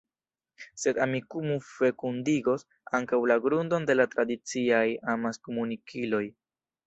Sed Amikumu fekundigos ankaŭ la grundon de la tradiciaj amaskomunikiloj.